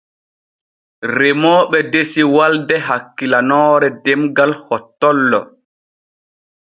Remooɓe desi walde hakkilanoore demgal hottollo.